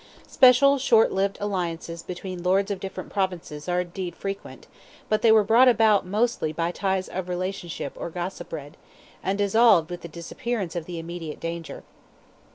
Special, short lived alliances between lords of different Provinces are indeed frequent; but they were brought about mostly by ties of relationship or gossipred, and dissolved with the disappearance of the immediate danger.